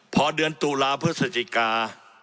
พอเดือนตุลาพฤศจิกา